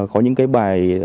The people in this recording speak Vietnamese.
có những cái bài